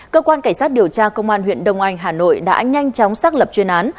cơ quan cảnh sát điều tra công an huyện đông anh hà nội đã nhanh chóng xác lập chuyên án